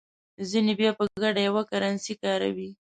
ځینې بیا په ګډه یوه کرنسي کاروي.